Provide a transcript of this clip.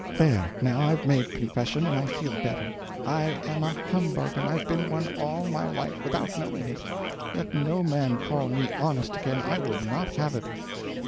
There, now, I've made confession, and I feel better; I am a humbug, and I've been one all my life, without knowing it. Let no man call me honest again I will not have it."